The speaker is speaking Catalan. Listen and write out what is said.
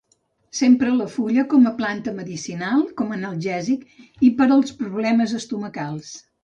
S'empra la fulla com a planta medicinal com analgèsic i per als problemes estomacals.